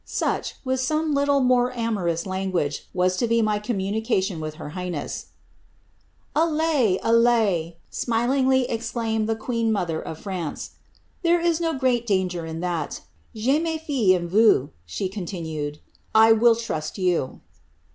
Such, with some little more amorous language, was to be my communication with her highness." ^Allez — alkz /" smilingly ex claimed the queen mother of France, ^^ there is no great danger in that." ^Je mejie en vous^"* she continued ;" 1 will trust you."